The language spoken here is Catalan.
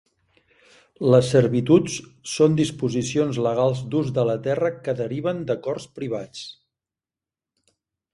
Les servituds són disposicions legals d'ús de la terra que deriven d'acords privats.